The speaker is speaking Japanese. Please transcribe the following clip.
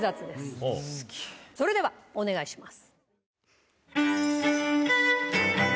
それではお願いします。